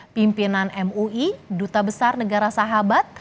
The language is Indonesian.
pimpinan mui duta besar negara sahabat